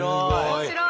面白い。